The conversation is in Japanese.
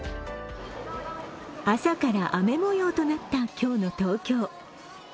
朝から雨模様となった今日の東京。